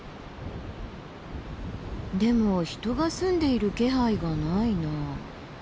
でも人が住んでいる気配がないなあ。